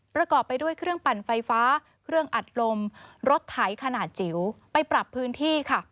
ประกอบไปด้วยเครื่องปั่นไฟฟ้าเครื่องอัดลมรถไถขนาดจิ๋วไปปรับพื้นที่ค่ะ